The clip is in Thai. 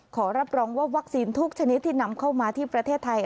ขอรับรองว่าวัคซีนทุกชนิดที่นำเข้ามาที่ประเทศไทย